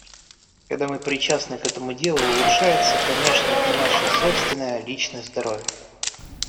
Когда мы причастны к этому делу, улучшается, конечно, и наше собственное, личное здоровье.